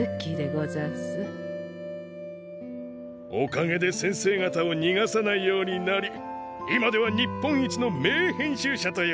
おかげで先生方をにがさないようになり今では日本一の名編集者と呼ばれるまでになりました。